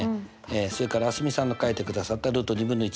それから蒼澄さんが書いてくださったルート２分の１。